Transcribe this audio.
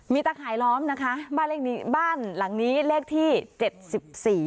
ตะข่ายล้อมนะคะบ้านเลขนี้บ้านหลังนี้เลขที่เจ็ดสิบสี่